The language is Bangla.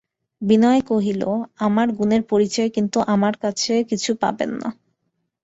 বিনয় কহিল, আমার গুণের পরিচয় কিন্তু আমার কাছে কিছু পাবেন না।